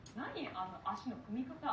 あの足の組み方。